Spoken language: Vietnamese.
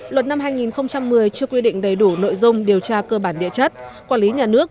luật năm hai nghìn một mươi chưa quy định đầy đủ nội dung điều tra cơ bản địa chất quản lý nhà nước